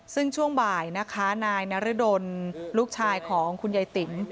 ซึ่งช่วงบ่ายนะคะนายนรดลลูกชายของคุณยายติ๋ม